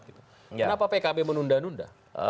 kenapa pkb menunda nunda